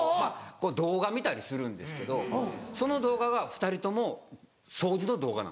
動画見たりするんですけどその動画が２人とも掃除の動画なんです。